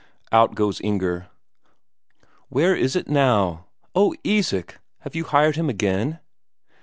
Out goes Inger. "Where is it now? Oh, Isak, have you hired him again?